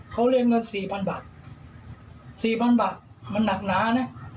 เขาเรียกเงินสี่พันบาทสี่พันบาทมันหนักหนานะ